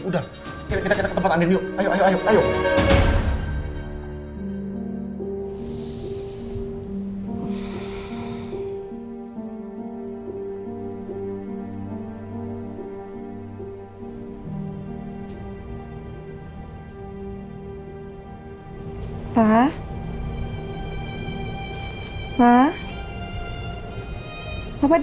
untuk kenalin sama bahwa